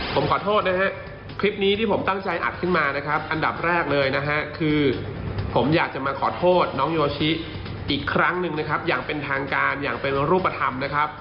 ผมขอโทษนะฮะคลิปนี้ที่ผมตั้งใจอัดขึ้นมานะครับอันดับแรกเลยนะฮะคือผมอยากจะมาขอโทษน้องโยชิอีกครั้งหนึ่งนะครับอย่างเป็นทางการอย่างเป็นรูปธรรมนะครับ